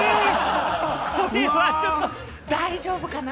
これはちょっと大丈夫かな？